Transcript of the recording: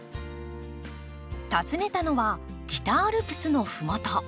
訪ねたのは北アルプスの麓。